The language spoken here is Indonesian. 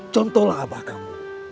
contohlah abah kamu